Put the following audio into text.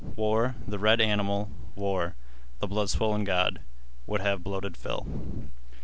War, the red animal, war, the blood swollen god, would have bloated fill.